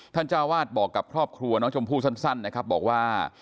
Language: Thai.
เจ้าวาดบอกกับครอบครัวน้องชมพู่สั้นนะครับบอกว่า